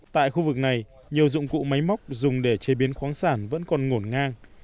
tại khu vực này nhiều dụng cụ máy móc dùng để chế biến khoáng sản vẫn còn ngổn ngang